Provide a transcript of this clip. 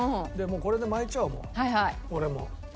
これで巻いちゃおう俺も。